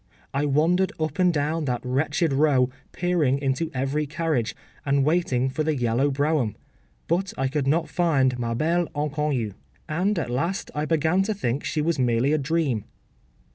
I wandered up and down that wretched Row, peering into every carriage, and waiting for the yellow brougham; but I could not find ma belle inconnue, and at last I began to think she was merely a dream.